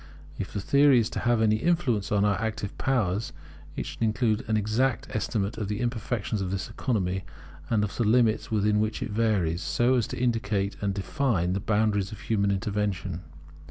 If the theory is to have any influence upon our active powers, it should include an exact estimate of the imperfections of this economy and of the limits within which it varies, so as to indicate and define the boundaries of human intervention.